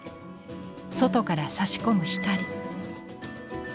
外からさし込む光。